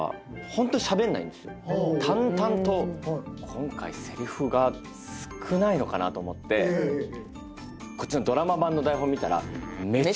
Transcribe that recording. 今回せりふが少ないのかなと思ってこっちのドラマ版の台本見たら。